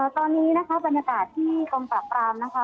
ตอนนี้นะคะบรรยากาศที่กองปราบปรามนะคะ